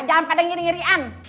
jangan pada ngiri ngirian